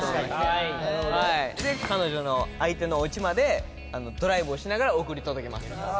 で彼女の相手のお家までドライブをしながら送り届けます。